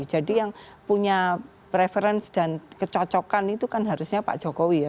jadi yang punya preferensi dan kecocokan itu kan harusnya pak jokowi ya